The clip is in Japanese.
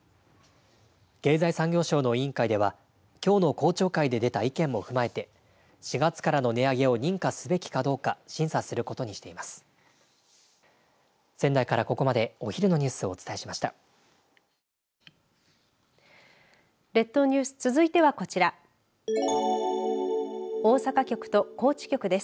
経済産業省の委員会ではきょうの公聴会で出た意見も踏まえて４月からの値上げを認可すべきかどうか審査することにしています。